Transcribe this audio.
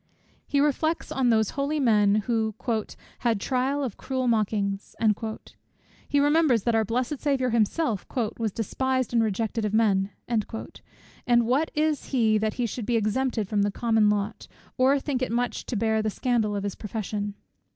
He reflects on those holy men who "had trial of cruel mockings;" he remembers that our blessed Saviour himself "was despised and rejected of men;" and what is he, that he should be exempted from the common lot, or think it much to bear the scandal of his profession?